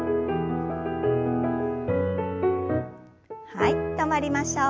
はい止まりましょう。